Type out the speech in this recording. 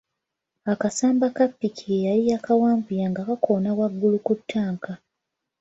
Akasamba ka ppiki ye yali yakawanvuya nga kakoma waggulu ku ttanka.